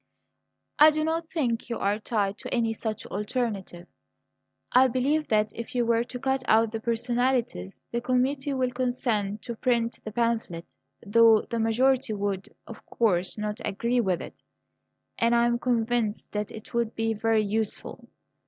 "I do not think you are tied to any such alternative. I believe that if you were to cut out the personalities the committee would consent to print the pamphlet, though the majority would, of course, not agree with it; and I am convinced that it would be very useful.